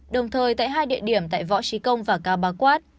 đồng thời tại hai địa điểm tại võ trí công và cao bá quát